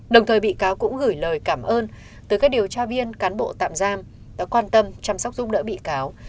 đồng thời bị cáo cũng gửi lời cảm ơn tới các điều tra viên cán bộ tạm giam đã quan tâm chăm sóc giúp đỡ bị cáo